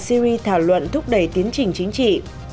nga và syri thảo luận thúc đẩy tiến trình chính trị